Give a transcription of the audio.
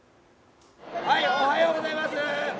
おはようございます。